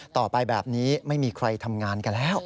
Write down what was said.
ต่อไปแบบนี้ไม่มีใครทำงานกันแล้ว